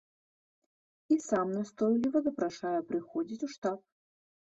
І сам настойліва запрашае прыходзіць у штаб.